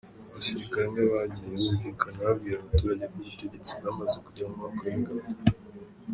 Abasirikare bamwe bagiye bumvikana babwira abaturage ko ubutegetsi bwamaze kujya mu maboko y’ingabo.